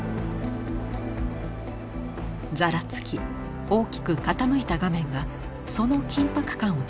ざらつき大きく傾いた画面がその緊迫感を伝えています。